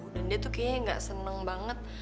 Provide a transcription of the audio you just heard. dan dia tuh kayaknya gak seneng banget